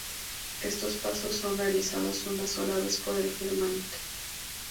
Estos pasos son realizados una sola vez por el firmante.